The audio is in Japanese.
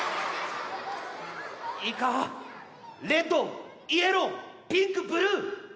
いいかレッドイエローピンクブルー！